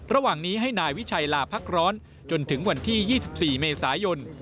ระหว่างนี้ให้นายวิชัยลาพักร้อนจนถึงวันที่๒๔เมษายน